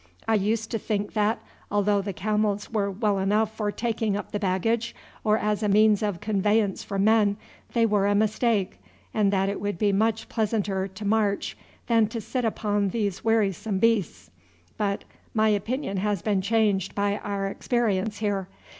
I used to think that, although the camels were well enough for taking up the baggage or as a means of conveyance for men, they were a mistake, and that it would be much pleasanter to march than to sit upon these wearisome beasts; but my opinion has been changed by our experience here.